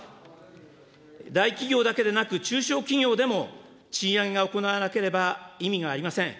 大企業だけでなく、中小企業でも賃上げが行われなければ意味がありません。